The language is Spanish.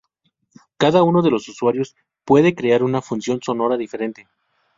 Cada uno de los usuarios puede crear una función sonora diferente.